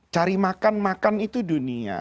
cari makan makan itu dunia